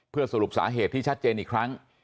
เพื่อสรุปสาเหตุที่ชัดเจนอีกครั้ง